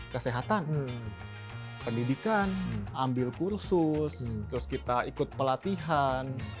kesehatan pendidikan ambil kursus terus kita ikut pelatihan